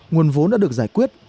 nguồn vốn đã được giải quyết